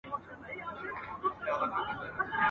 ورته مخ به د ناورين او جنازو وي !.